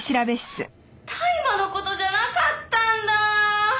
「大麻の事じゃなかったんだ」